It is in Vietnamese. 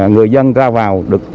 người dân ra vào được